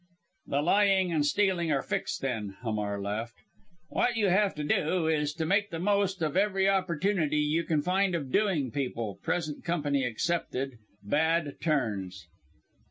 "The lying and stealing are fixed then," Hamar laughed. "What you have to do, too, is to make the most of every opportunity you can find of doing people present company excepted bad turns."